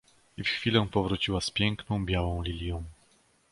"I w chwilę powróciła z piękną, białą lilią."